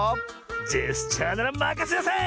ジェスチャーならまかせなさい！